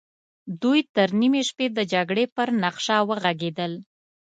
دوی تر نيمې شپې د جګړې پر نخشه وغږېدل.